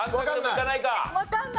わかんない。